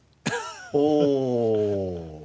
おお。